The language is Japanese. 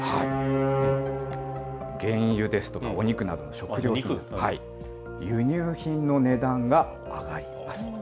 原油ですとか、お肉などの食料品、輸入品の値段が上がります。